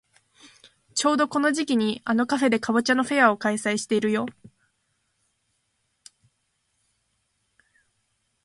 ちょうどこの時期にあのカフェでかぼちゃのフェアを開催してるよ。